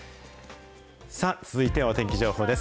続いてはお天気情報です。